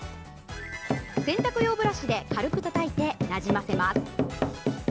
洗濯用ブラシで軽くたたいてなじませます。